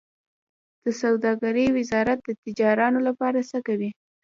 د سوداګرۍ وزارت د تجارانو لپاره څه کوي؟